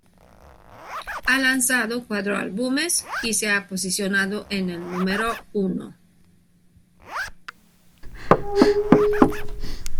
Ha lanzado cuatro álbumes y se ha posicionado en el No.